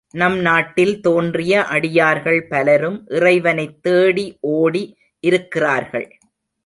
நம் நாட்டில் தோன்றிய அடியார்கள் பலரும் இறைவனைத் தேடி ஓடி இருக்கிறார்கள்.